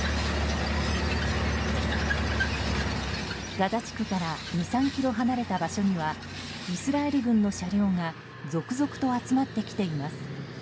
ガザ地区から２３ｋｍ離れた場所にはイスラエル軍の車両が続々と集まってきています。